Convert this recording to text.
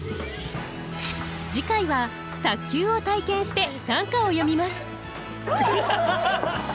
次回は卓球を体験して短歌を詠みます。